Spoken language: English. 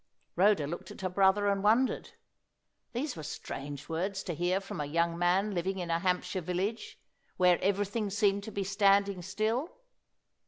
'" Rhoda looked at her brother and wondered. These were strange words to hear from a young man living in a Hampshire village, where everything seemed to be standing still.